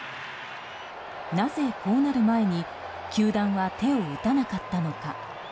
なぜ、こうなる前に球団は手を打たなかったのか。